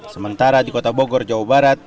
sementara di kota bogor jawa barat